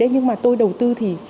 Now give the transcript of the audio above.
nhưng mà tôi đầu tư thì